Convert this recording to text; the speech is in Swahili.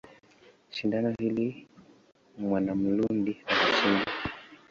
Shindano hili Mwanamalundi alishinda.